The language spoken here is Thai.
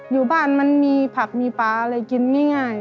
อยู่บ้านมันมีผักมีปลาอะไรกินง่าย